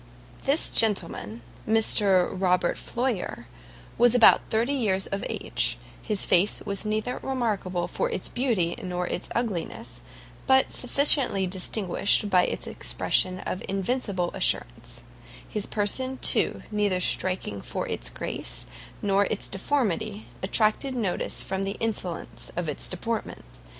This gentleman, Sir Robert Floyer, was about thirty years of age; his face was neither remarkable for its beauty nor its ugliness, but sufficiently distinguished by its expression of invincible assurance; his person, too, though neither striking for its grace nor its deformity, attracted notice from the insolence of his deportment.